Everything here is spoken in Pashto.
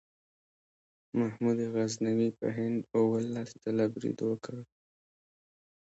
محمود غزنوي په هند اوولس ځله برید وکړ.